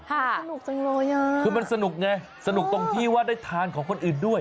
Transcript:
สนุกจังเลยอ่ะคือมันสนุกไงสนุกตรงที่ว่าได้ทานของคนอื่นด้วย